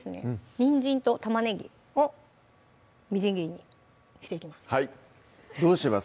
にんじんと玉ねぎをみじん切りにしていきますはいどうします？